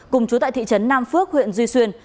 cùng chú tại thị trấn nam phước huyện duy xuyên